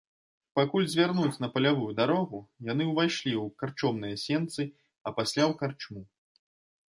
Пакуль звярнуць на палявую дарогу, яны ўвайшлі ў карчомныя сенцы, а пасля ў карчму.